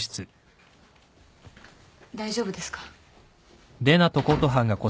大丈夫ですか？